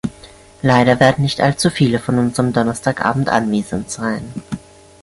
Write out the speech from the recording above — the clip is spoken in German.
Leider werden nicht allzu viele von uns am Donnerstag Abend anwesend sein.